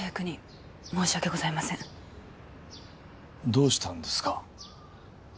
どうしたんですか？